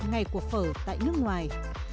ngày của phở tại nước ngoài